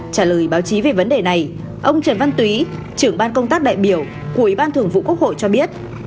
trả lời báo chí về vấn đề này ông trần văn túy trưởng ban công tác đại biểu của ủy ban thường vụ quốc hội cho biết